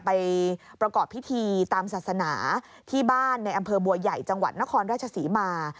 ไปประกอบพิธีตามศาสนาที่บ้านในอำเภอบัวใหญ่จังหวัดนครราชศรีมา